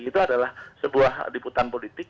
itu adalah sebuah diputan politik